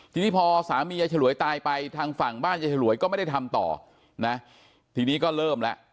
ทีนี้พอสามียายฉลวยตายไปทางฝั่งบ้านยายฉลวยก็ไม่ได้ทำต่อนะทีนี้ก็เริ่มแล้ว